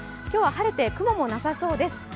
今日は晴れて雲もなさそうです。